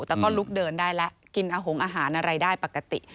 แต่ก็ลุกเดินได้แล้วกินอาหารอะไรได้ปกติ